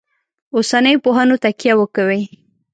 اوسنیو پوهنو تکیه وکوي.